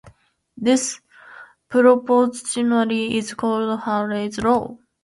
This proportionality is called Hartley's law.